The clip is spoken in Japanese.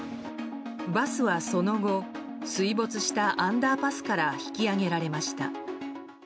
バスはその後水没したアンダーパスから引き上げられました。